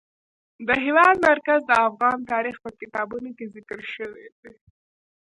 د هېواد مرکز د افغان تاریخ په کتابونو کې ذکر شوی دي.